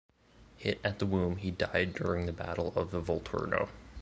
Hit at the womb, he died during the battle of the Volturno.